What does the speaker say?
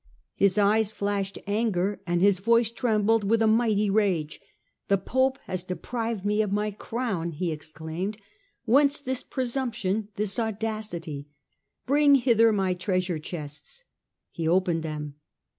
His eyes flashed anger and his voice trembled with a mighty rage. " The Pope has deprived me of my crown ?" he exclaimed. " Whence this presumption, this audacity ? Bring hither my treasure chests." He opened them.